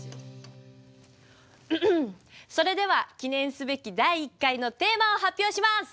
それでは記念すべき第１回のテーマを発表します！